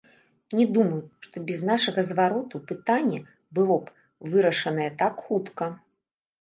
Не думаю, што без нашага звароту пытанне было б вырашанае так хутка.